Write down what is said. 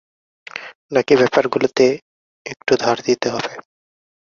বাকি ব্যাপারগুলোতে, একটু ধার দিতে হবে।